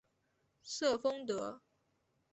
瑟丰德。